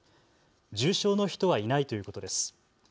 重症の人はいないということです。